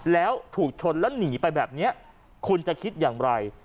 แล้วถูกชนแล้วหนีไปแบบนี้คุณจะคิดอย่างไร